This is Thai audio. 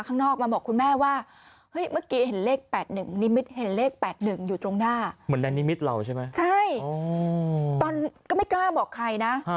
ตุนตุนตุนตุนตุนตุนตุนตุนตุนตุนตุนตุนตุน